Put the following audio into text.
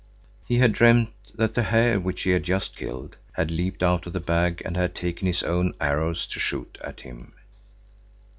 He had dreamt that the hare which he had just killed had leaped out of the bag and had taken his own arrows to shoot at him.